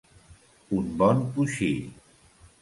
Un bon coixí.